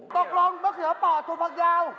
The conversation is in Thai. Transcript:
ตกลงมะเขือป่อตัวผักยาว